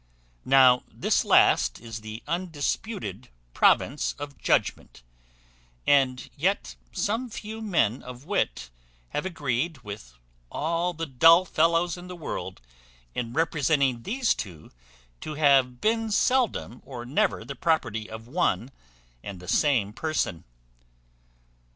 Now this last is the undisputed province of judgment, and yet some few men of wit have agreed with all the dull fellows in the world in representing these two to have been seldom or never the property of one and the same person.